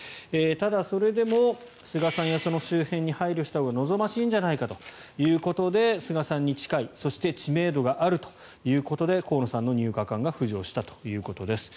ただ、それでも菅さんやその周辺に配慮したほうが望ましいんじゃないかということで菅さんに近いそして知名度があるということで河野さんの入閣案が浮上したということです。